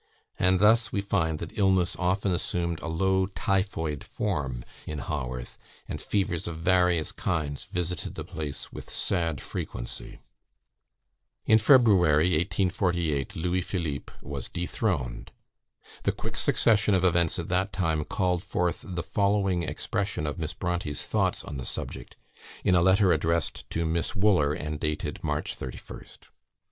And thus we find that illness often assumed a low typhoid form in Haworth, and fevers of various kinds visited the place with sad frequency. In February, 1848, Louis Philippe was dethroned. The quick succession of events at that time called forth the following expression of Miss Brontë's thoughts on the subject, in a letter addressed to Miss Wooler, and dated March 31st.